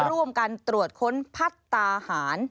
ร่วมกันตรวจค้นพัฒนาหาร